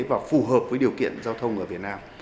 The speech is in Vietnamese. và phù hợp với điều kiện giao thông ở việt nam